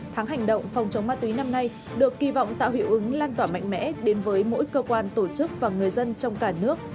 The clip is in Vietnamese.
tháng hành động phòng chống ma túy năm nay được kỳ vọng tạo hiệu ứng lan tỏa mạnh mẽ đến với mỗi cơ quan tổ chức và người dân trong cả nước